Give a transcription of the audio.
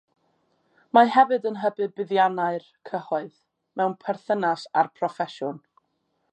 Mae hefyd yn hybu buddiannau'r cyhoedd mewn perthynas â'r proffesiwn.